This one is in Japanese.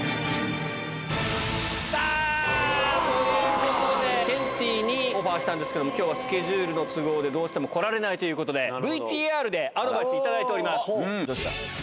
あー、ということで、ケンティーにオファーしたんですけれども、きょうはスケジュールの都合で、どうしても来られないということで、ＶＴＲでアドバイス頂いております。